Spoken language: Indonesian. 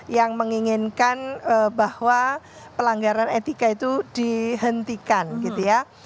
yang menginginkan bahwa pelanggaran etika itu dihentikan gitu ya